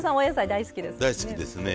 大好きですね。